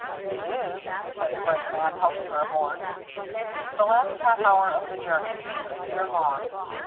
"It is," said the brakeman, helping her aboard. The last half hour of the journey seemed a year long.